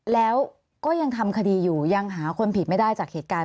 แล้วก็ยังทำคดีอยู่ยังหาคนผิดไม่ได้จากเหตุการณ์